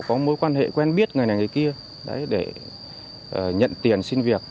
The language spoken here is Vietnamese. có mối quan hệ quen biết người này người kia để nhận tiền xin việc